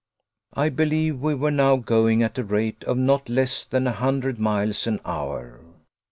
I believe we were now going at a rate of not less than a hundred miles an hour.